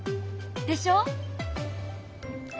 でしょ！